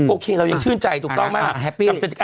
โอเคเรายังชื่นใจถูกต้องไหม